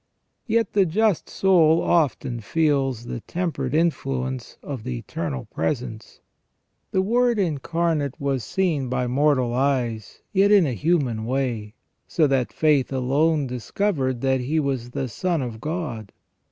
Yet the just soul often feels the tempered influence of the Eternal Presence. The Word Incar nate was seen by mortal eyes, yet in a human way, so that faith alone discovered that He was the Son of God.